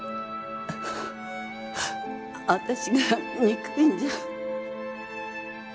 私が憎いんじゃ？